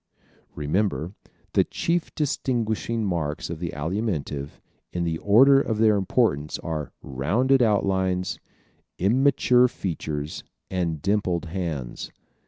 _Remember, the chief distinguishing marks of the Alimentive in the order of their importance are ROUNDED OUTLINES, IMMATURE FEATURES and DIMPLED HANDS.